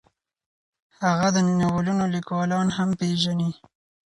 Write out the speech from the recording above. هغه د ناولونو لیکوالان هم پېژني.